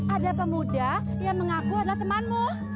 ada pemuda yang mengaku adalah temanmu